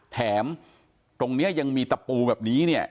แถมตรงนี้ยังมีตะปูแบบนี้เนี่ย